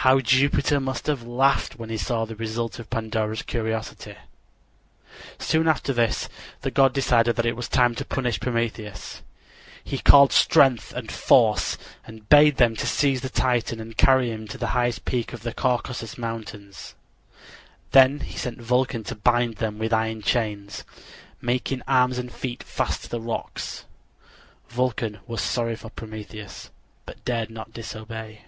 How Jupiter must have laughed when he saw the result of Pandora's curiosity! Soon after this the god decided that it was time to punish Prometheus. He called Strength and Force and bade them seize the Titan and carry him to the highest peak of the Caucasus Mountains. Then he sent Vulcan to bind him with iron chains, making arms and feet fast to the rocks. Vulcan was sorry for Prometheus, but dared not disobey.